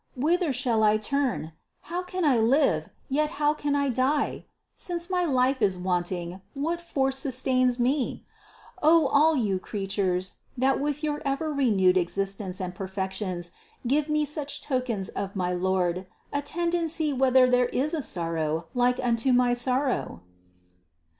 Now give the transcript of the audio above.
Whither shall I turn? How can I live, yet how can I die? Since my life is wanting, what force sustains me? O all you creatures, that with your ever renewed existence and perfections give me such tokens of my Lord, attend and see whether there is a sorrow like unto my sorrow!"